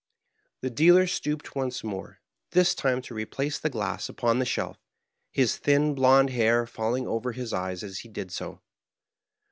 The dealer stooped once more, this time to replace the glass upon the shelf, his thin blond hair falling over his eyes as he did so.